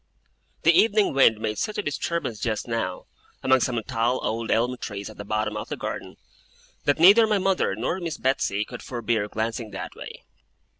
The evening wind made such a disturbance just now, among some tall old elm trees at the bottom of the garden, that neither my mother nor Miss Betsey could forbear glancing that way.